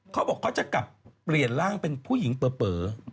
เขาบอกเขาจะกลับเปลี่ยนร่างเป็นผู้หญิงเป๋อ